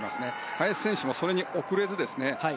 林選手も、それに遅れずにね。